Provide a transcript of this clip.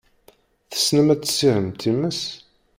Tessnem ad tessiɣem times?